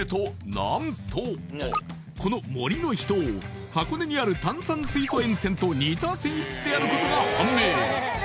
なんとこの森の秘湯箱根にある炭酸水素塩泉と似た泉質であることが判明